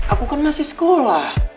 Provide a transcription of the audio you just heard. aku kan masih sekolah